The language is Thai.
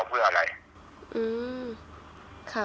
คุณพ่อได้จดหมายมาที่บ้าน